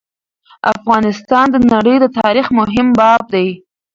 افغانستان د نړی د تاریخ مهم باب دی.